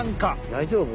大丈夫？